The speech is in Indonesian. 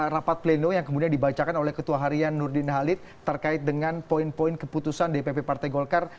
rapat pleno yang kemudian dibacakan oleh ketua harian nurdin halid terkait dengan poin poin keputusan dpp partai golkar